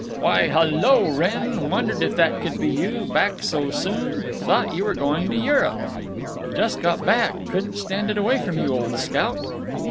"Why, hul lo, Wrenn! Wondered if that could be you. Back so soon? Thought you were going to Europe." "Just got back. Couldn't stand it away from you, old scout!"